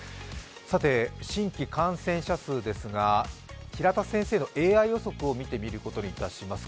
さて、新規感染者数ですが平田先生のＡＩ予測を見ていくことにいたします。